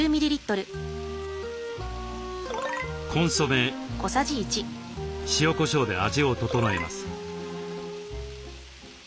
コンソメ塩こしょうで味を調えます。